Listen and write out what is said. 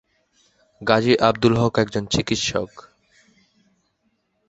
গাজী আব্দুল হক একজন চিকিৎসক।